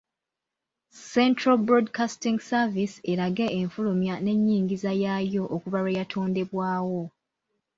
Central Broadcasting Service erage enfulumya n’ennyingiza yaayo okuva lwe yatondebwawo.